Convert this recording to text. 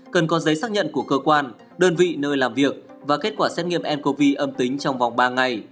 cần có giấy xác nhận của cơ quan đơn vị nơi làm việc và kết quả xét nghiệm ncov âm tính trong vòng ba ngày